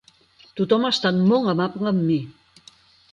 Tothom ha estat molt amable amb mi.